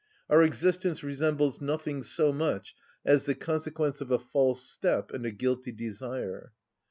Our existence resembles nothing so much as the consequence of a false step and a guilty desire.